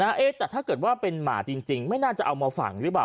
เอ๊ะแต่ถ้าเกิดว่าเป็นหมาจริงไม่น่าจะเอามาฝังหรือเปล่า